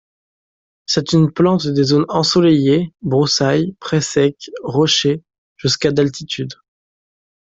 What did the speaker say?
C'est une plante des zones ensoleillées, broussailles, prés secs, rochers, jusqu'à d'altitude.